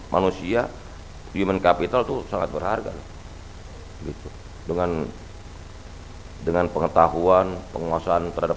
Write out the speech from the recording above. manusia human capital tuh sangat berharga gitu dengan dengan pengetahuan penguasaan terhadap